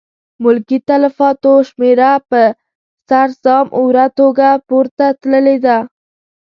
ملکي تلفاتو شمېره په سر سام اوره توګه پورته تللې ده.